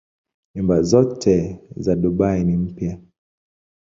Nyumba zote za Dubai ni mpya.